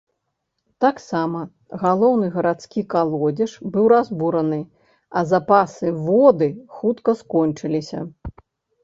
Таксама, галоўны гарадскі калодзеж быў разбураны, а запасы воды хутка скончыліся.